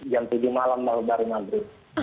jam tujuh malam malam baru baru